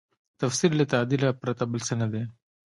تفسیر له تعدیله پرته بل څه نه دی.